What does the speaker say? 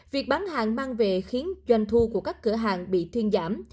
việc bán hàng mang về khiến doanh thu của các cửa hàng bị thuyên giảm